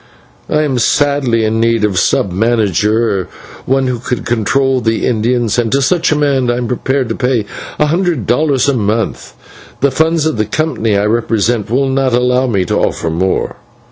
I am sadly in need of a sub manager, one who could control the Indians, and to such a man I am prepared to pay a hundred dollars a month; the funds of the company I represent will not allow me to offer more."